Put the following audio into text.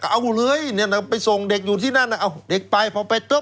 เอาเลยไปส่งเด็กไปไป